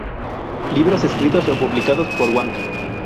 Libros escritos o publicados por Wang.